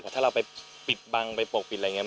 ถ้าเราไปปิดบังไปปกปิดอะไรอย่างนี้